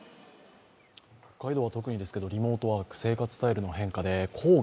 北海道は特にですけど、リモートワーク、生活スタイルの変化で郊外、